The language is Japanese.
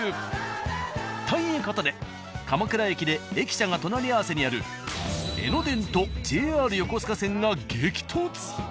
［ということで鎌倉駅で駅舎が隣り合わせにある江ノ電とＪＲ横須賀線が激突！］